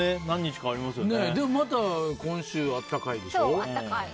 でも、また今週暖かいでしょ。